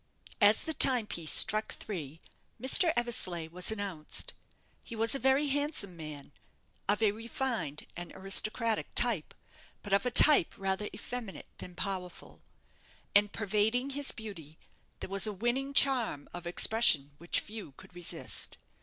As the timepiece struck three, Mr. Eversleigh was announced. He was a very handsome man; of a refined and aristocratic type, but of a type rather effeminate than powerful. And pervading his beauty, there was a winning charm of expression which few could resist.